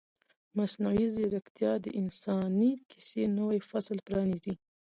مصنوعي ځیرکتیا د انساني کیسې نوی فصل پرانیزي.